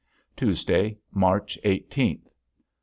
Tuesday, March eighteenth.